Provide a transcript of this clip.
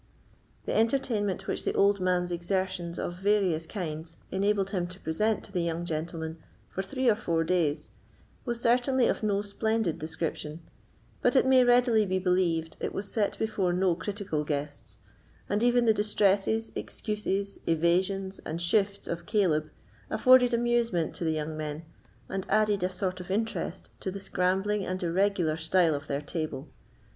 The entertainment which the old man's exertions of various kinds enabled him to present to the young gentlemen for three or four days was certainly of no splendid description, but it may readily be believed it was set before no critical guests; and even the distresses, excuses, evasions, and shifts of Caleb afforded amusement to the young men, and added a sort of interest to the scrambling and irregular style of their table.